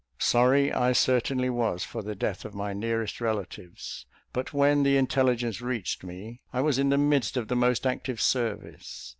Sorry I certainly was for the death of my nearest relatives; but when the intelligence reached me, I was in the midst of the most active service.